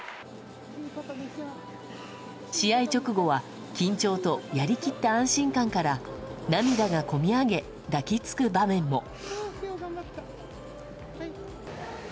試合直後は緊張と、やり切った安心感から涙が込み上げ、抱き着く場面も。